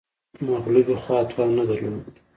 مغلوبې خوا توان نه درلود